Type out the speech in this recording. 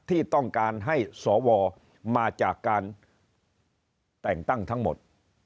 ที่ต้องการให้สวมาจากการแต่งตั้งทั้งหมด